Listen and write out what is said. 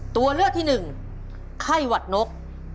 ตัวเลือกที่หนึ่งไข้หวัดนก